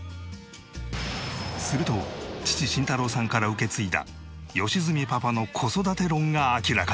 すると父慎太郎さんから受け継いだ良純パパの子育て論が明らかに！